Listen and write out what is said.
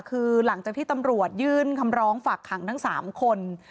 คือหลังจากที่ตำรวจยื่นคำร้องฝากขังทั้ง๓คน